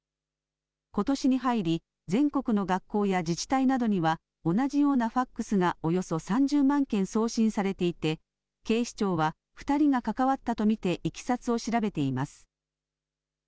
ことしに入り全国の学校や自治体などには同じようなファックスがおよそ３０万件送信されていて警視庁は２人が関わったと見ていきさつを調べています。